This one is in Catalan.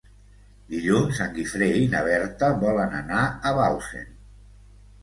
Dilluns en Guifré i na Berta volen anar a Bausen.